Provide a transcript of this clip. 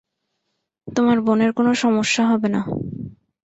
তোমার বোনের কোন সমস্যা হবে না।